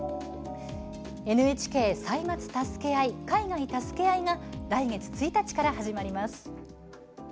「ＮＨＫ歳末たすけあい海外たすけあい」が来月１日から始まります。